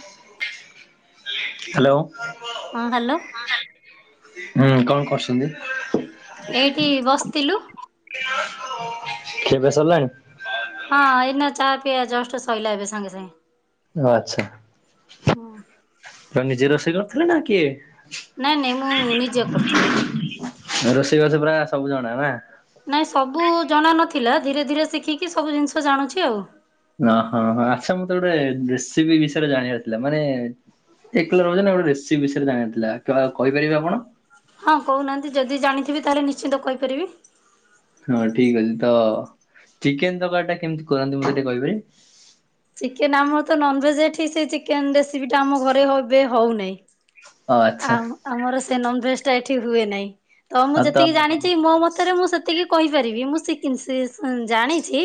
ହ ହ୍ୟାଲୋ ହଁ ହ୍ୟାଲୋ ହୁଁ କଣ କରସ ଛନ୍ତି। ଏଇଠି ବସିଥିଲୁ। ଖିଆପିଆ ସରିଲାଣି? ହଁ ଏଇନା ଚା ପିଇଆ ଜଷ୍ଟ ଶୋଇଲା ଏବେ ସାଙ୍ଗେ ସାଙ୍ଗେ। ଓ ଆଚ୍ଛା ତ ନିଜେ ରୋଷେଇ କରିଥିଲେ ନା କିଏ? ନାଇଁ ନାଇଁ ମୁଁ ନିଜେ କରିଥିଲି। ରୋଷେଇ ବାସ ପୁରା ସବୁ ଜଣାନା। ନାଇଁ ସବୁ ଜଣା ନଥିଲା। ଧୀରେ ଧୀରେ ଶିଖିକି ସବୁ ଜିନିଷ ଜାଣୁଛି ଆଉ। ଓ ହଁ ଆଚ୍ଛା ମତେ ଗୋଟେ ରେସିପି ବିଷୟରେ ଜାଣିବାର ଥିଲା ମାନେ [unintelligible] ଗୋଟେ ରେସିପି ବିଷୟରେ ଜାଣଥିଲା କା କହିପାରିବେ ଆପଣ? ହଁ କହୁନାହାନ୍ତି ଯଦି ଜାଣିଥିବି ତାହେଲେ ନିଶ୍ଚିନ୍ତ କହିପାରିବି। ହଁ ଠିକ ଅଛି ତ ଚିକେନ ତରକାରୀ ଟା କେମିତି କରନ୍ତି, ମତେ ଟିକେ କହିବେ? ଚିକେନ ଆମର ତ ନନଭେଜ ଏଠି, ସେ ଚିକେନ୍ ରେସିପିଟା ଆମ ଘରେ ବୋଧେ ହଉନେଇ। ଓ ଆଚ୍ଛା ଆଉ ଆମର ସେ ନନଭେଜ ଟା ଏଠି ହୁଏ ନାହିଁ। ତ ମୁଁ ଯେତିକି ଜାଣିଛି ମୋ ମତରେ ମୁଁ ସେ ଟିକେ କହିପାରିବି ମୁଁ ସିକିନସ ସିସନ ସେ ସେ ଜାଣିଛି।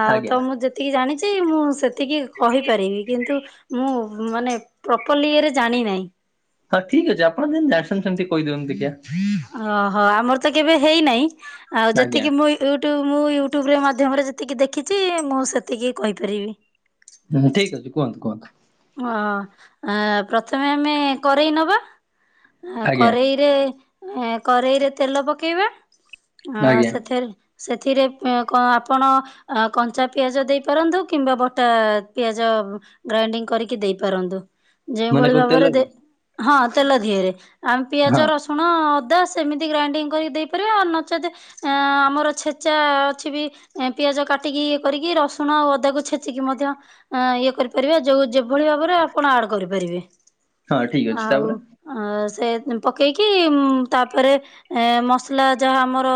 ଆଉ ଆଜ୍ଞା ତ ମୁଁ ଯେତିକି ଜାଣିଛି ମୁଁ ସେତିକି କହିପାରିବି। କିନ୍ତୁ ମୁଁ ମାନେ ପ୍ରପରଲି ଇଏରେ ଜାଣି ନାହିଁ। ହଁ ଠିକ୍ ଅଛି ଆପଣ ଯେମିତି ଜାଣିଛନ୍ତି, ସେମିତି କହି ଦିଅନ୍ତୁ ଦେଖିଆ। ଓହୋ ଆମର ତ କେବେ ହେଇନାହିଁ। ଆଉ ଆଜ୍ଞା ଯେତିକି ମୁଁ ୟୁଟ୍ୟୁବ ମୁଁ ୟୁଟ୍ୟୁବରେ ମାଧ୍ୟମରେ ଯେତିକି ଦେଖିଛି, ମୁଁ ସେତିକି କହିପାରିବି। ହୁଁ ଠିକ ଅଛି କୁହନ୍ତୁ କୁହନ୍ତୁ। ହ ଆ ପ୍ରଥମେ ଆମେ କରେଇ ନବା। ଅ ଆଜ୍ଞା କରେଇରେ ଏ କରେଇରେ ତେଲ ପକେଇବା ଅ ଆଜ୍ଞା ସେଥିରେ ସେଥିରେ ପ ଆପଣ ଅ କଞ୍ଚା ପିଆଜ ଦେଇପାରନ୍ତୁ, କିମ୍ବା ବଟା ପିଆଜ ଜ ଗ୍ରାଇଣ୍ଡିଙ୍ଗ କରିକି ଦେଇପାରନ୍ତୁ। ମାନେ ଯେଉଁଭଳି କୋଉ ଭାବରେ ତେଲରେ ଦେ ହଁ ତେଲ ଧିଅରେ, ଆମ ପିଆଜ ହଁ ରସୁଣ ଅ ଦା ସେମିତି ଗ୍ରାଇଣ୍ଡିଙ୍ଗ କରିକି ଦେଇପାରିବେ। ଆ ନଚେତ୍ ଆମର ଛେଚା ଅଛିବି ପି ଆଜ କାଟିକି ଇଏ କରିକି ରସୁଣ ଆଉ ଅଦାକୁ ଛେଚିକି ମଧ୍ୟ ଇଏ କରିପାରିବା। ଯୋଉ ଯେ ଭଳି ଭାବରେ ଆପଣ ଆଡ କରିପାରିବେ। ହଁ ଠିକ ଅଛି ଆଉ ତାପରେ ସେ ତେ ପକେଇକି, ଉଁ ତାପରେ ଏ ମସଲା ଯାହା ଆମର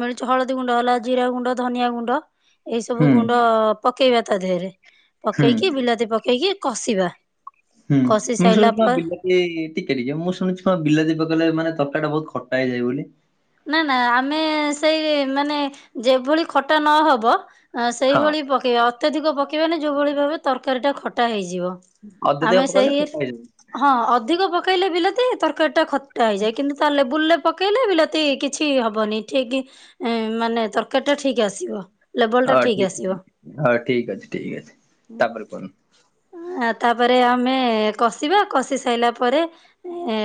ମିଳୁଛି ହଳଦୀ ଦୀ ଗୁଣ୍ଡ ହେଲା ଜିରା ଗୁଣ୍ଡ ଧନିଆ ଗୁଣ୍ଡ। ଏଇ ସବୁ ହୁଁ ଗୁଣ୍ଡ ପକେଇବା ତା ଦେହରେ। ହୁଁ ପକେଇକି ବିଲାତି ପକେଇକି କଷିବା। ହୁଁ କଷି ମୁଁ ସାଇଲା ଶୁଣିଛି, କ ପରେ ବିଲାତି ଟିକେ ଟିକେ ମୁଁ ଶୁଣିଛି କ ବିଲାତି ପକେଇଲେ ମାନେ ତ କାରିଟା ବହୁତ ଖଟା ହେଇଯାଏ ବୋଲି। ନା ନା ଆମେ ସେଇ ମାନେ ଯେଭଳି ଖଟା ନହବ ହ ହଁ ସେଇଭଳି ପକେଇବା। ଅତ୍ୟଧିକ ପକେଇବାନି ଯୋଉ ଭଳି ଭାବେ ତରକାରୀ ଟା ଖଟା ହେଇ ଯିବ, ଅଦା ଟିକେ ଆମେ ପକେଇଲେ ସେଇ ଖଟା ହେଇଯାଏ ହଁ ଅଧିକ ପକେଇଲେ ବିଲାତି ତରକାରୀ ଟା ଖ ଟା ହେଇଯାଏ। କିନ୍ତୁ ତା ଲେବୁଲେ ପକେଇଲେ ବିଲା ତି କିଛି ହବନି ଠିକ୍ ମାନେ ତରକାରୀ ଟା ଠିକ୍ ଆସିବ। ଲେବଲ ଟା ହଁ ଠିକ ଠିକ୍ ଆସିବ। ଅ ହଁ ଠିକ୍ ଅଛି ଠିକ୍ ଅଛି ତାପରେ କୁହନ୍ତୁ। ତାପରେ ଆମେ କଷିବା କଷି ସାରିଲା ପରେ। ଏ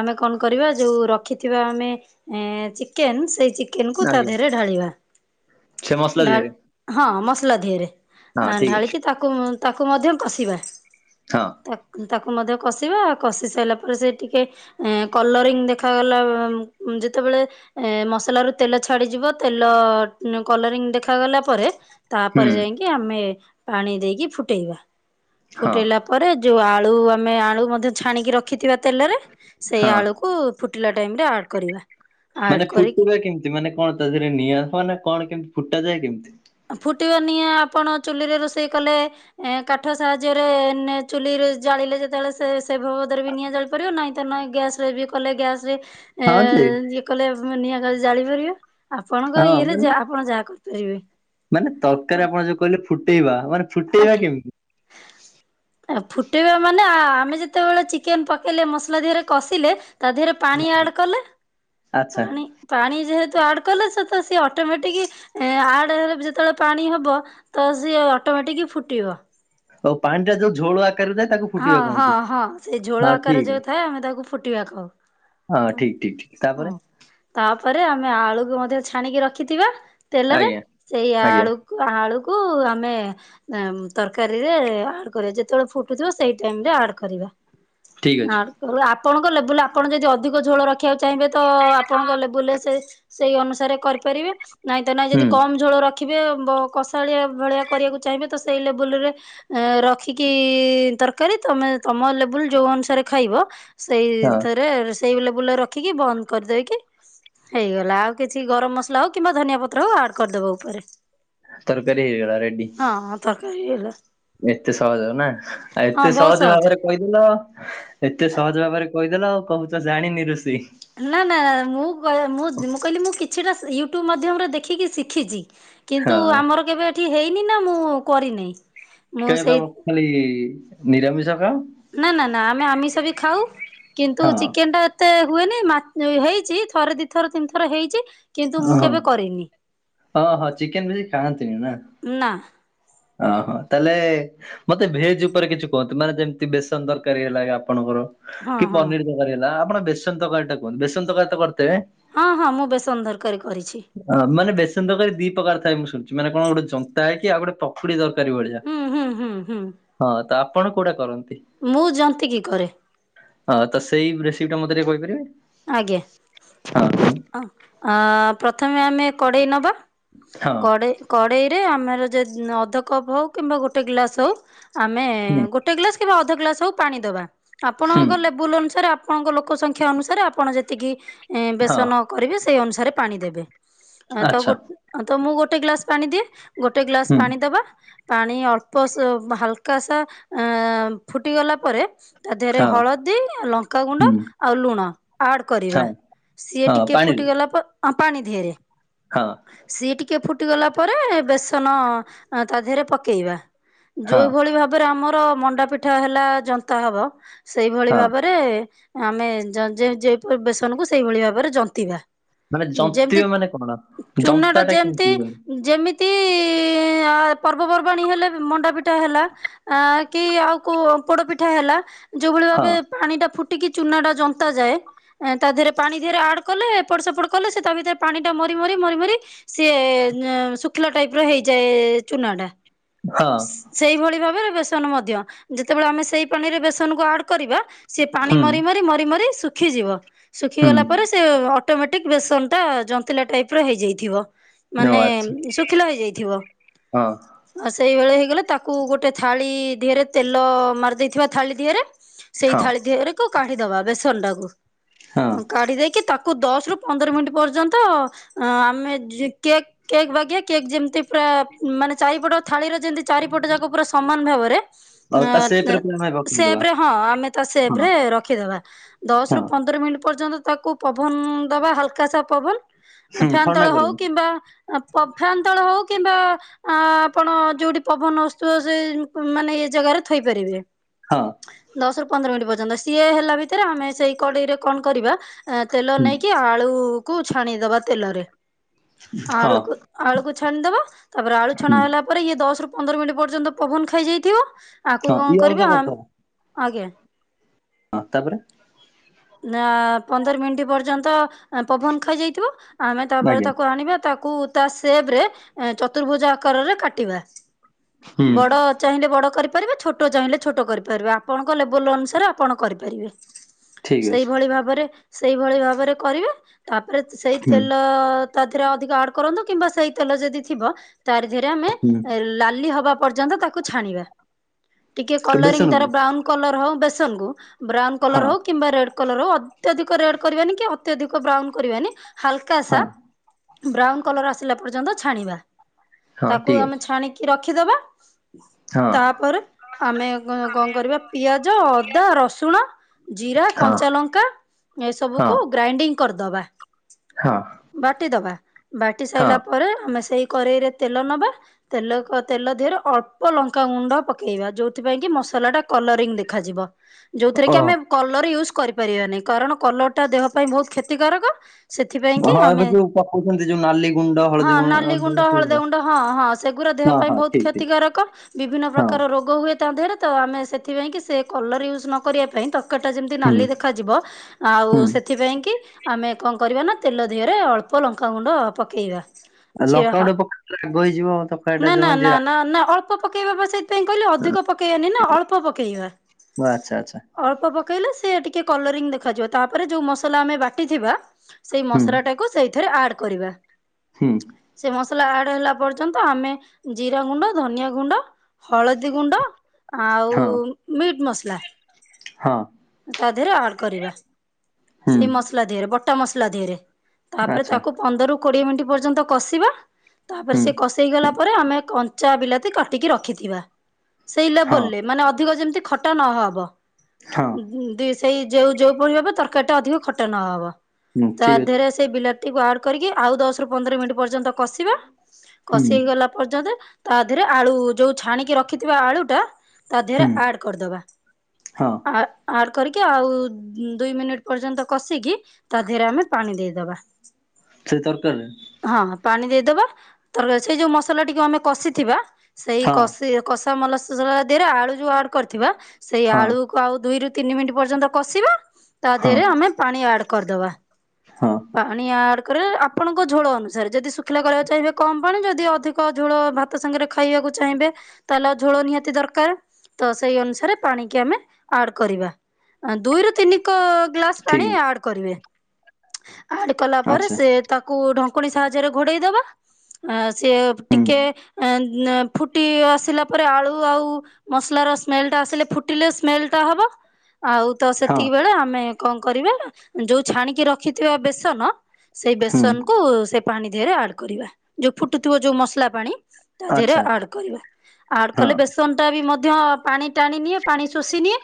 ଆମେ କଣ କରିବା ଯୋଉ ରଖିଥିବା ଆମେ ଏ ଚିକେନ୍ ସେଇ ଚି କେନ କୁ ତା ଆଜ୍ଞା ଦେହରେ ଢାଳିବା। ସେ ମସଲା ଢା ଦେହରେ ହଁ ମସଲା ଧିଅରେ। ହଁ ଆ ଠିକ୍ ଅଛି ଢାଳିକି ତାକୁ ତାକୁ ମଧ୍ୟ କଷିବା ହଁ ତାକୁ ମଧ୍ୟ କଷିବା କଷି ସାରିଲା ପରେ, ସେ ଟିକେ ଏ କଲରିଂ ଦେଖାଗଲା ବ ଯେତେବେଳେ ଏ ମସଲା ରୁ ତେଲ ଛାଡିଯିବ, ତେଲ କଲରିଂ ଦେଖାଗଲା ପରେ ହୁଁ ତାପରେ ଯାଇକି ଆମେ ପାଣି ଦେଇକି ଫୁଟେଇବା। ହଁ ଫୁଟେଇଲା ପରେ ଯୋଉ ଆଳୁ ଆମେ ଆଳୁ ମଧ୍ୟ ଛାଣିକି ରଖିଥିବା ତେଲରେ, ସେଇ ହଁ ଆଳୁକୁ ଫୁଟିଲା ଲା ଟାଇମ ରେ ଆଡ୍ କରିବା। ଆଡ୍ ମାନେ କରିକି ଫୁଟିବ କେମିତି, ମାନେ କଣ ତା ଦେହରେ ନିଆ ହ ନା କଣ କେମିତି ଫୁଟା ଯାଏ କେମିତି? ଫୁଟିବ ନିଆଁ ଆପଣ ଚୁଲିରେ ରୋଷେଇ କଲେ, ଏ କାଠ ସାହାଯ୍ୟରେ ଚୁଲି ଜାଳିଲେ ଯେତେବେଳେ ସେ ସେ ଭବଦରେ ବି ନିଆଁ ଜାଳିପାରିବ। ନାହିଁ ତ ନଁ ଗ୍ୟାସେ ବି କଲେ ଗ୍ୟାସ୍ରେ ଏ ହଁ ଯେ ଇଏ କଲେ ନିଆଁ ଜାଳିପାରିବା। ଆପଣଙ୍କ ହଁ ଇଏରେ ମାନେ ଆ ଆପଣ ଯାହା କର ରିବେ। ମାନେ ତରକାରୀ ଆପଣ ଯୋଉ କହିଲେ ଫୁଟେଇବା, ମାନେ ଫୁଟେଇବା ଆଜ୍ଞା। କେମିତି? ଫୁଟେଇବା ମାନେ ଆମେ ଯେତେବେଳେ ଚିକେନ ପକେଇଲେ ମସଲା ଦିହରେ କଷିଲେ। ତା ଦେହରେ ପାଣି ଆଡ କଲେ ଆଚ୍ଛା ପାଣି ପାଣି ଯେହେତୁ ଆଡ୍ କଲେ ସେତ ସି ଅଟୋମେଟିକ ଆଡ ହେଲେ ଯେତେବେଳେ ପାଣି ହବ ତ ସିଏ ଅଟମେଟିକି ଫୁଟିବ। ଆଉ ପାଣି ଟା ଯୋଉ ଝୋଳୁ ହଁ ହଁ ହଁ ସେଇ ଝୋଳ ହଁ ଆକାର ଠିକ୍ ଯୋଉ ଅଛି। ଥାଏ ଆମେ ତାକୁ ଫୁଟିବା କହୁ। ହଁ ଠିକ୍ ଠିକ୍ ଠିକ୍ ହ ହ ତାପରେ ତା ଆମେ ଆଳୁକୁ ମଧ୍ୟ ଛାଣିକି ରଖିଥିବା ତେଲରେ ଆଜ୍ଞା ସେଇ ଆଜ୍ଞା ଆଳୁକୁ ଆଳୁ କୁ ଆମେ ତରକାରୀ ରେ ଆଡ୍ କରେ ଯେତେବେଳେ ଫୁଟୁ ସେଇ ଟାଇମ ରେ ଆଡ଼ କରିବା। ଠିକ୍ ଅଛି [unintelligible] ଆପଣଙ୍କ ଲେବୁଲ ଆପଣ ଯଦି ଅଧିକ ଝୋଳ ରଖିବାକୁ ଚାହିଁବେ ତ ଆପଣଙ୍କ ଲେବୁଲ ସେଇ ଅନୁସାରେ କରି କରିବେ ନାଇଁ ତ ନାଇଁ ହୁଁ ଯଦି କମ ଝୋଳ ରଖି ରଖିବେ କଷାଳିଆ ଭଳିଆ କରିବାକୁ ଚାହିଁବେ ତ ସେଇ ଲେବୁଲରେ ରଖିକି ତରକାରୀ ତମେ ତମ ଲେବୁଲ ଯୋଉ ଅନୁସାରେ ଖାଇବ ହଁ ସେଇଥିରେ ରୋଷଇ ସେଇ ଲେବୁଲ୍ ରେ ରଖିକି ବନ୍ଦ କରିଦେଇକି ହେଇଗଲା ଆଉ କିଛି ଗରମ ମସଲା ହଉ କିମ୍ବା ଧନିଆ ପତ୍ର ହଉ ଆଡ କରିଦବ ଉପରେ। ତରକାରୀ ହେଇଗଲା ରେଡି ହଁ ତରକାରୀ ହେଇଗଲା ଏତେ ସହଜ ନା। ହଁ ଏତେ ବହୁତ ସହଜ ଭାବରେ କହିଦେଲ ଏତେ ସହଜ ଭାବରେ କହିଦେଲ ଆଉ କହୁଛ ଜାଣିନି ରୋଷେଇ। ନା- ନା- ମୁଁ- ମୁ- ମୁଁ କହିଲି ମୁଁ କିଛିଟା ୟୁଟ୍ୟୁବ ମାଧ୍ୟମରେ ଦେଖିକି ଶିଖିଛି। ହଁ କିନ୍ତୁ ଆମର କେବେ ଏଠି ହେଇନି, ନା ମୁଁ କରିନେଇ। କାଇଁ କି ନା ମ ଖାଲି ନିରାମିଷ ଖାଅ ନା- ନା- ନା ଆମେ ଆମିଷ ବି ଖାଉ, କିନ୍ତୁ ହଁ ଚିକେନ ଟା ଏତେ ହୁଏନି, [unintelligible] ହେଇଛି ଥରେ ଦିଥର ତିନି ଥର ହେଇଛି। କିନ୍ତୁ ଓ- ମୁଁ ହଁ- କେବେ କରିନି ହଁ- ହଁ ଚିକେନ ବେଶି ଖାଆନ୍ତିନି ନା। ନା ଅ ହୋ ତାହେଲେ ମତେ ଭେଜ ଉପରେ କିଛି କୁହନ୍ତୁ, ମାନେ ଯେମିତି ବେସନ ଦରକାରୀ ହେଲା କି ଆପଣଙ୍କର। ହଁ କି ହଁ। ପନିର ତରକାରୀ ହେଲା ଆପଣ ବେସନ ତରକାରୀ ଟା କୁହନ୍ତୁ, ବେସନ ତରକାରୀ ତ ହଁ- ହଁ- ମୁଁ ବେସନ [unintelligible] ଅ ମାନେ ବେସନ ତରକାରୀ ଦି ପ୍ରକାର ଥାଏ ମୁଁ ଶୁଣିଛି, ମାନେ କଣ ଗୋଟେ ଜନ୍ତା ହେଇକି ଆଉ ଗୋଟେ ପକୁଡ଼ି ତ ତରକାରି ଭଳିଆ, ହୁଁ ହୁଁ ହୁଁ ହୁଁ ହଁ ତ ଆପଣ କୋଉଟା କରନ୍ତି? ମୁଁ ଜନ୍ତିକି କରେ। ହଁ ତ ସେଇ ରେସିପି ଟା, ମତେ ଟିକେ କହିପାରିବେ? ଆଜ୍ଞା, ହଁ କୁହନ୍ତୁ ପ୍ରଥମେ ଆମେ କଡେଇ ନବା। ହଁ କଡେଇ କଡେଇରେ, ଆମର ଯ ଅଧ କପ ହଉ କିମ୍ବା ଗୋଟେ ଗ୍ଲାସ୍ ହଉ ଆମେ ହୁଁ ଗୋଟେ ଗ୍ଲାସ କିମ୍ବା ଅଧ ଗ୍ଲାସ ହଉ ପାଣି ଦବା। ହୁଁ ଆପଣଙ୍କ ଲେବୁଲ ଅନୁସାରେ ଆ ଆପଣଙ୍କ ଲୋକ ସଂଖ୍ୟା ଅନୁସାରେ, ଆପଣ ଯେତିକି ହଁ ବେସନ କରିବେ ସେଇ ଅନୁସାରେ ପାଣି ଦେବେ। ତ ଗୋ ଆଚ୍ଛା ତ ମୁଁ ଗୋଟେ ଗ୍ଲାସ ପାଣି ଦିଏ, ଗୋଟେ ଗ୍ଲାସ ହୁଁ ପାଣି ଦବା। ପାଣି ଅଳ୍ପ ସ ହାଲକା ସା ଅ ଫୁଟିଗଲା ପରେ ତା ଦେହରେ ହଁ ହଳଦୀ, ଆଉ ଲଙ୍କାଗୁଣ୍ଡ, ହୁଁ ଆଉ ଲୁଣ। କରିବା। ହଁ ସିଏ ହଁ ଟିକେ ପାଣିରେ ଫୁଟିଗଲା ପରେ, ପାଣି ଦିହେରେ ହଁ ସିଏ ଟିକେ ଟିକେ ଫୁଟିଗଲା ପରେ, ବେସନ ତା ଦେହେରେ ପକେଇବା। ହଁ ଯୋଉ ଭଳି ଭାବରେ, ଆମର ମଣ୍ଡା ପିଠା ହେଲା ଜନ୍ତା ହବ। ସେଇଭଳି ହଁ ଭାବରେ, ଆମେ ଯ ଯେ ଯେ ବେସନ କୁ ସେଇଭଳି ଭାବରେ ଜନ୍ତିବା। ମାନେ ଯେଦି ଜନ୍ତିବେ ମାନେ କଣ? ଚୁନା ଟା ଜନ୍ତାଟା ଯେମିତି କେମିତି ହୁଏ? ଯେମି [inaudible] ଆ ପର୍ବପର୍ବାଣୀ ହେଲେ ମଣ୍ଡା ପିଠା ହେଲା, ଆ କି ଆଉ କୋଉ ପୋଡ ପିଠା ହେଲା ଯୋଉଭଳି ହଁ ଭାବେ ପାଣି ଟା ଫୁଟିକି ଚୁନାଟା ଜନ୍ତା ଯାଏ। ତା ଦେହେରେ ପାଣି ଦିହରେ ଆଡ କଲେ, ଏପଟ ସେପଟ କଲେ ସେ ତା ଭିତରେ ପାଣି ଟା ମରି ମରି ମରି ମରି ସିଏ ଶୁଖିଲା ଟାଇପର ହେଇଯାଏ ଚୁନା ଟା, ହଁ ସେଇଭଳି ଭାବରେ ବେସନ ମଧ୍ଯ ଯେତେବେଳେ ଆମେ ସେଇ ପାଣିରେ ବେସନକୁ ଆଡ କରିବା, ସିଏ ପାଣି ହୁଁ ମରି ମରି ମରି ମରି ଶୁ ଶୁଖିଯିବ ହୁଁ ଶୁଖିଗଲା ପରେ, ସେ ଅଟୋମେଟିକ ବେସନଟା ଜନ୍ତିଲା ଟାଇପର ହେଇଯାଇଥିବ। ଓ ମାନେ ଆଚ୍ଛା ଶୁଖିଲା ହେଇଯାଇଥିବ। ହଁ ସେଇଭଳି ହେଇଗଲେ, ତାକୁ ଗୋଟେ ଥାଳି ଦିହେରେ ତେଲ ମାରିଦେଇଥିବା ଥାଳି ଦିହେରେ। ସେଇ ହଁ ଥାଳି ଦେହରେକୁ କାଢିଦବା, ବେସନ ଟାକୁ ହଁ କାଢି ଦେଇକି ତା ତାକୁ ଦଶ ରୁ ପନ୍ଦର ମିନିଟ୍ ପର୍ଯ୍ୟନ୍ତ, ଆମେ କେକ୍ କେକ ବାଗିଆ କେକ୍ ଯେମିତି ପୁରା ମାନେ ଚାରିପଟ ଥାଳିର ଯେମତି, ଚାରିପଟ ଯାକ ପୁରା ସମାନ ଭାବରେ ଆଉ ତା ସେପରେ ଅ ପୁଣି ଆମେ ପକୁଡି ଦବା ସେପରେ ହଁ ଆମେ ତା ହଁ ସେପରେ ରଖିଦବା। ଦଶରୁ ହଁ ପନ୍ଦର ମିନିଟ୍ ପର୍ଯ୍ୟନ୍ତ, ତାକୁ ପବନ ଦବା ହାଲକାସା ପବନ। ହୁଁ ଫ୍ୟାନ ଥଣ୍ଡା ତଳେ ହଉ କରିବୁ କିମ୍ବା ପ ଫ୍ୟାନ ତଳେ ହଉ କିମ୍ବା, ଆପଣ ଯୋଉଠି ପବନ ଆସୁଥିବ ସେଇ ମାନେ ଇଏ ଜାଗାରେ ଥୋଇପାରିବେ। ହଁ ଦଶରୁ ପନ୍ଦର ମିନିଟ୍ ପର୍ଯ୍ୟନ୍ତ, ସିଏ ହେଲା ଭିତରେ ଆମେ ସେଇ କଡେଇରେ କଣ କରିବା? ଆ ତେଲ ହୁଁ ନେଇକି ଆଳୁକୁ ଛାଣିଦବା ତେଲରେ। ହଁ ଆଳୁକୁ ଆଳୁକୁ ଛାଣିଦବା ତାପରେ ଆଳୁ ଛଣା ହୁଁ ହେଲା ପରେ, ଇଏ ଦଶରୁ ପନ୍ଦର ମିନିଟ୍ ପର୍ଯ୍ୟନ୍ତ ପବନ ଖାଇଯାଇଥିବ। ଆକୁ ହଁ କଣ ଇଏ ଅଲଗା କରିବା କରିଥବ ଆଜ୍ଞା। ହଁ ତାପରେ ନା ପନ୍ଦର ମିନିଟ ପର୍ଯ୍ୟନ୍ତ ପବନ ଖାଇ ଯାଇଥିବ। ଆମେ ତାପରେ ଆଜ୍ଞା ତାକୁ ଆଣିବା ତା କୁ ତା ସେପରେ ଚତୁର୍ଭୁଜ ଆକାରରେ କାଟିବା। ହୁଁ ବଡ ଚାହିଁଲେ ବଡ କରି ପାରିବେ ଛୋଟ ଚାହିଁଲେ ଛୋଟ କରିପାରିବେ ଆପଣଙ୍କ ଲେବୁଲ ଅନୁସାରେ ଆପଣ କରିପାରିବେ। ଠିକ ଅଛି ସେଇଭଳି ଭାବରେ ସେଇଭଳି ଭାବରେ କରିବେ ତାପରେ ସେଇ ହୁଁ ତେଲ ତାଥିରେ ଅଧିକ ଆଡ୍ କରନ୍ତୁ କିମ୍ବା ସେଇ ତେଲ ଯଦି ଥିବ ତାର ଥିରେ ଆମେ ହୁଁ ଲାଲି ହବା ପର୍ଯ୍ୟନ୍ତ ତାକୁ ଛାଣିବା ଟିକେ କେ- କଲରିଙ୍ଗ ତାର ବେସନକୁ ବ୍ରାଉନ କଲର ହଉ ବେସନକୁ ବ୍ରାଉନ ହଁ କଲର ହଉ କିମ୍ବା ରେଡ଼ ଅତ୍ୟଧିକ ରେଡ କରିବାନି କି ଅତ୍ୟଧିକ ବ୍ରାଉନ କରିବାନି ହାଲକାସା ହଁ ବ୍ରାଉନ କଲର ଆସିଲା ପର୍ଯ୍ୟନ୍ତ ଛାଣିବା ହଁ ତାକୁ ଠିକ ଆମେ ଅଛି ଛାଣିକି ରଖିଦବା। ହଁ ତାପରେ ଆମେ ଗ କଣ କରିବା ପିଆଜ ଅଦା ରସୁଣ ଜିରା କନ ହଁ କଞ୍ଚା ଲଙ୍କା ହଁ ଏସବୁକୁ ଗ୍ରାଇଣ୍ଡିଙ୍ଗ କରିଦବା ହଁ ବାଟିଦବା। ବାଟି ହଁ ସାରିଲା ପରେ ଆମେ ସେଇ କରେଇରେ ତେଲ ନବା ତେଲ କ ତେଲ ଦେହରେ ଅଳ୍ପ ଲଙ୍କା ଗୁଣ୍ଡ ପକେଇବା ଯୋଉଥିପାଇଁ କି ମସ ସଲା ଟା କଲରିଂ ଦେଖାଯିବ। ଯୋଉଥିରେ ଓ କି ଆମେ କଲର ୟୁଜ କରିପାରିବାନି କାରଣ କଲରଟା ଦେହ ପାଇଁ ବହୁତ କ୍ଷତିକାରକ। ସେଥିପାଇଁ କି ହଁ ଏବେ ଆମେ ଯୋଉ ପକଉଛନ୍ତି ଯୋଉ ନାଲି ଗୁଣ୍ଡ ହଁ ହଳଦୀ ନାଲି ଗୁଣ୍ଡ ହଳଦୀ ଗୁଣ୍ଡ ହଁ ହଁ ସେଗୁଡା ଦେହ ହଁ ପାଇଁ ହଁ ବହୁତ ଠିକ ଠିକ କ୍ଷତିକାରକ ବିଭିନ୍ନ ହଁ ପ୍ରକାର ରୋଗ ହୁଏ। ତା ଦେହରେ ତ ଆମେ ସେଥିପାଇଁ କି ସେ କଲର ୟୁଜ୍ ନ କରିବା ପାଇଁ ତରକାରୀ ଟା ଯେମିତି ହୁଁ ନାଲି ଦେଖାଯିବ ଆଉ ହୁଁ ସେଥିପାଇଁ କି? ଆମେ କଣ କରିବା ନା ତେଲ ଦେହରେ ଅଳ୍ପ ଲଙ୍କାଗୁଣ୍ଡ ପକେଇବା। ଆଉ ଲଙ୍କା ଚିହ ଗୁଣ୍ଡ ପକେଇଲେ ରାଗ ହେଇଯିବ ତରକାରୀ ଟା ନା ଯୋଉ ନା ମାନେ ନା ରାଗ ନା ନା ଅଳ୍ପ ପକେଇବା ବା ସେଇଥିପାଇଁ କହିଲେ ଅ। ଅଧିକ ପାକେଇବା ନି ନା ହେଇଯିବ। ଅଳ୍ପ ପାକେଇବା ଓ ଆଚ୍ଛା ଆଚ୍ଛା ଅଳ୍ପ ପାକେଇଲେ ସେ ଟିକେ କଲରିଙ୍ଗ ଦେଖାଯିବ ତାପରେ ଯଉ ମସଲା ଆମେ ବାଟିଥିବା ସେଇ ହୁଁ ମସଲା ଟାକୁ ସେଇଥିରେ ଆଡ କରିବା ହୁଁ ସେଇ ମ ସଲା ଆଡ ହେଲା ପର୍ଯ୍ୟନ୍ତ ଆମେ ଜିରା ଗୁଣ୍ଡ, ଧନିଆ ଗୁଣ୍ଡ ହଳଦୀ ଗୁଣ୍ଡ ହଁ ଆଉ ମିଟ ମସଲା। ହଁ। ତା ଦେହରେ ଆଡ଼ କରିବା ହୁଁ ସେଇ ମସଲା ଦେହରେ ବଟା ମସଲା ଦେହରେ। ତାପରେ ଆଚ୍ଛା ତାକୁ ପନ୍ଦରରୁୁ କୋଡିଏ ମିନିଟ୍ ପର୍ଯ୍ୟନ୍ତ କଷିବା ତାପରେ ହୁଁ ସେ କଷେଇଗଲା ପରେ ଆମେ କଞ୍ଚା ବିଲାତି କାଟିକି ରଖିଥିବା ସେଇ ହଁ ଲେବଲରେ ମାନେ ଅଧିକ ଯେମିତି ଖଟା ନହବ ହଁ ଉଁ ଉଁ ଦେ ସେଇ ଯୋଉ ଯୋଉ ପରି ହବ ତରକାରୀ ଟା ଅଧିକ ଖଟା ନହବ। ହୁଁ ତା ଠିକ ଅଛି ଦେହରେ ସେଇ ବିଲାତିକୁ ଆଡ କରିକି ଆଉ ଦଶ ରୁ ପନ୍ଦର ମିନିଟ୍ ପର୍ଯ୍ୟନ୍ତ କଷିବା। ହୁଁ କଷି ହେଇ ଗଲା ପର୍ଯ୍ୟନ୍ତ ତା ଦିହରେ ଆଳୁ ଯୋଉ ଛାଣିକି ରଖିଥିବା ଆଳୁଟା ତା ଦେହରେ ହୁଁ ଆଡ କରିଦବା। ହଁ ଆଡ କରିକି ଆଉ ଉଁ ଦୁଇ ମିନିଟ ପର୍ଯ୍ୟନ୍ତ କଷିକି ତା ଦେହରେ ଆମେ ପାଣି ଦେଇଦବା। ସେଇ ତରକାରରେ? କଶୀ ଦେବା ତାପରେ ସେଇ ଯଉ ମସଲା ଟିକୁ ଆମେ କଷି ଥିବା ସେଇ ହଁ କଷି କଷି ସମ ମସଲା ଦିହରେ ଆଳୁ ଯୋଉ ଆଡ କରିଥିବା ସେଇ ହଁ ଆଳୁ ଆଉ ଦୁଇ ର ତିନି ମିନିଟ୍ ପର୍ଯ୍ୟନ୍ତ କଷିବା ତା ହଁ ଦେହରେ ଆମେ ପାଣି ଆଡ କରିଦବା। ହଁ ପାଣି ଆଡ଼ ରେ ଆପଣଙ୍କ ଝୋଳ ଅନୁସାରେ ଯଦି ଶୁଖିଲା କରିବାକୁ ଚାହିଁବେ କମ ପାଣି ଯଦି ଅଧିକ ଝୋଳ ଭାତ ସାଙ୍ଗରେ ଖାଇବାକୁ ଚାହିଁବେ ତାହେଲେ ଝୋଳ ନିହାତି ଦରକାର ତ ସେଇ ଅନୁସାରେ ପାଣିିକି ଆମେ ଆଡ କରିବା ଦୁଇରୁ ତିନି କ ଗ୍ଲାସ ଠିକ୍ ପାଣି ଆଡ କରିବେ। ଆଡ଼ କଲା ପରେ ଆଚ୍ଛା ସେ ତାକୁ ଢଙ୍କୁନୀ ସାହାଯ୍ୟରେ ଘୋଡ଼େଇ ଦବା ଆ ସେ ହୁଁ ଟିକେ ଆଁ ନା ଫୁଟି ଆସିଲା ପରେ ଆଳୁ ଆଉ ମସଲାର ସ୍ମେଲଟା ଆସିଲେ ଫୁଟିଲେ ସ୍ମେଲ ହବ ଆଉ ତ ହଁ ସେତିକି ବେଳେ ଆମେ କଣ କରିବେ ଯୋଉ ଛାଣିକି ରଖିଥିବେ ବେସନ ସେଇ ହୁଁ ବେସନକୁ ସେ ପାଣି ଦେହରେ ଆଡ କରିବା ଯୋଉ ଫୁଟୁଥିବ ଯୋଉ ମସଲା ପାଣି ତା ଦେହରେ ଆଚ୍ଛା ଆଡ କରିବା ଆଡ ଆଚ୍ଛା କଲେ ହଁ ବେସନ ଟା ବି ମ ମଧ୍ୟ ପାଣି ଟାଣି ନିଏ ପାଣି ଶୋଷି ନିିଏ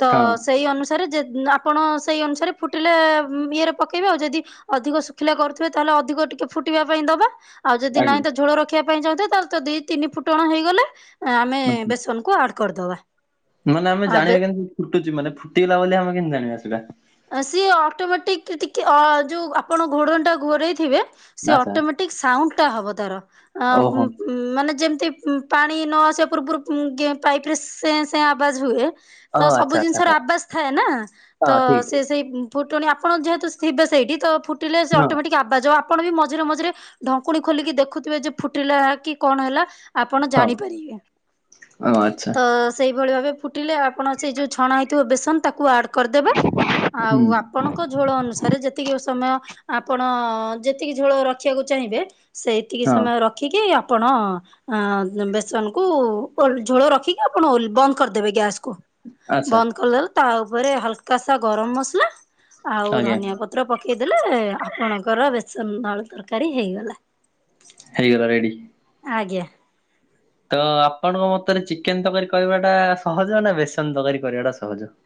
ତ ହଁ ସେଇ ଅନୁସାରେ ଯେ ଅ ଆପଣ ସେଇ ଅନୁସାରେ ଫୁଟିଲେ ଇଏରେ ପକେଇବେ ଆଉ ଯଦି ଅଧିକ ଶୁଖିଲା କରୁଥିବେ ତାହେଲେ ଅଧିକ ଟିକେ ଫୁଟିବା ପାଇଁ ଦବ। ଆଉ ଯଦି ନହିଁ ଆଜ୍ଞା ତ ଝୋଳ ରଖିବା ପାଇଁ ଚାହୁଁଥିବେ ତାହଲେ ଦିଇ ତିନି ଫୁଟଣ ହେଇଗଲେ ଆମେ ହୁଁ ହୁଁ। ବେସନକୁ ଆଡ କରିଦବା। ମାନେ ଆମେ ଆ ବେ ଜାଣିବା କେମିତି ଫୁଟୁଚି ମାନେ ଫୁଟିଗଲା ବୋଲି ଆମେ କେମିତି ଜାଣିବା ସେଇଟା? ସିଏ ଅଟୋମେଟିକ ଟିକେ ଅ ଯୋଉ ଆପଣ ଘୋଡଣି ଟା ଘୋରେଇଥିବେ ସେ ଆଚ୍ଛା ଅଟୋମଟିକ ସାଉଣ୍ଡ ଟା ହବ ଧର ଓହୋ। ମାନେ ଯେମ ମତି ପାଣି ନ ଆସିବା ପୂର୍ବରୁ ପାଇପ୍ରେ ସେ ସେ ଆବାଜ ହୁଏ ହଁ ତ ଆଚ୍ଛା ସବୁ ଆଚ୍ଛା ଜିନିଷର ହଁ ଆବାଜ ଥାଏ ନା ହଁ ତ ଠିକ୍ ସେ ଠିକ୍ ସେଇ ଫୁଟୁଣି ଆପଣ ଯେହେତୁ ଥିବେ ସେଇଠି ତ ଫୁଟିଲେ ସେ ହଁ ଅଟୋମେଟିକ୍ ଆବାଜ ହ ଆପଣ ବି ମଝିରେ ମଝିରେ ଢଙ୍କୁଣୀ ଖୋଲିକି ଦେଖୁଥିବେ ଯେ ଫୁଟିଲା କି କଣ ହେଲା ଆପଣ ହଁ ଜାଣିପାରିବେ ହଁ ଆଚ୍ଛା ତ ସେଇ ଏଭଳି ଭାବରେ ଫୁଟିଲେ ଆପଣ ସେଇ ଯଉ ଛଣା ହେଇଥିବ ବେସନ ତାକୁ ଆଡ୍ କରିଦେବେ। ଆଉ ହୁଁ ଆପଣଙ୍କ ଝୋଳ ଅନୁସାରେ ଯେତିକି ସମୟ ଆପ ଣ ଯେତିକି ଝୋଳ ରଖିବାକୁ ଚାହିଁବେ ସେ ଏତିକି ହଁ ସମୟ ରଖିକି ପଣ ବେସନ କୁ ଅ ଝୋଳ ର କି ଆପଣ ବନ୍ଦ କରିଦେବେ ଗ୍ୟାସ୍ କୁ ଆଚ୍ଛା ବନ୍ଦ୍ କରିଦେଲେ ତା ଉପରେ ହାଲ୍କା କା ସା ଗରମ ମସଲା ଆଉ ଆଜ୍ଞା ଧନିଆ ପତ୍ର ପକେଇଦେଲେ ଆପଣଙ୍କର ରେ ସମ ଆଳୁ ତରକାରୀ ହେଇଗଲା। ହେଇଗଲା ରେଡ଼ି। ଆଜ୍ଞଆ। ତ ଆପଣଙ୍କ ମତରେ ଚିକେନ ତରକାରୀ କରିବାଟା ସହଜ ନା ବେସନ ତରକାରୀ କରିବାଟା ସହଜ? [inaudible]